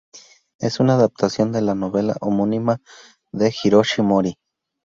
Es una adaptación de la novela homónima de Hiroshi Mori.